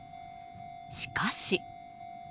しかし。